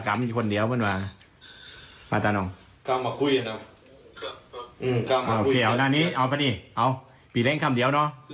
อย่าปล่อยเพลินหลับทะตามอย่างเดียวว่างดี